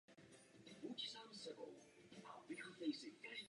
Zemřela brzy poté.